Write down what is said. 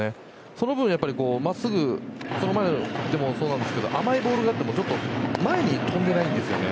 その分真っすぐその前もそうなんですけど甘いボールがあっても前に飛んでいないんですね。